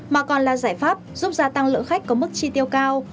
mà còn là giải pháp giúp gia tăng lượng khách có mức chi tiêu cao